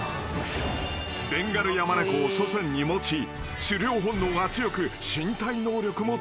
［ベンガルヤマネコを祖先に持ち狩猟本能が強く身体能力も高い］